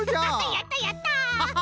やったやった！